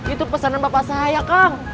itu pesanan bapak saya kang